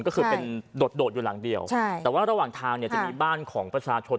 ก็คือเป็นโดดโดดอยู่หลังเดียวใช่แต่ว่าระหว่างทางเนี่ยจะมีบ้านของประชาชน